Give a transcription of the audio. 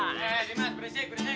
hei simet berisik berisik